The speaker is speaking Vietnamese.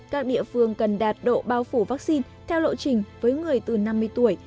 các địa phương cần đạt độ bao phủ vaccine theo lộ trình với người từ năm mươi tuổi